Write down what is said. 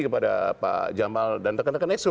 kepada pak jamal dan tekan tekan eso